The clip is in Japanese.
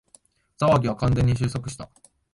騒ぎは完全に収束した